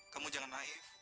kamu jangan naif